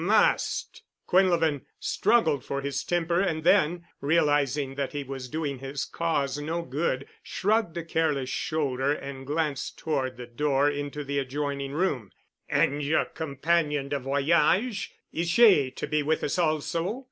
"Must——!" Quinlevin struggled for his temper and then, realizing that he was doing his cause no good, shrugged a careless shoulder and glanced toward the door into the adjoining room. "And yer compagnon de voyage? Is she to be with us also?"